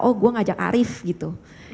oh gue ngajak arief gitu